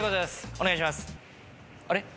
お願いします。